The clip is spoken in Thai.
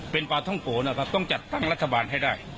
เป็นปาท่องโกต้องจัดตังค์รัฐบาลให้ได้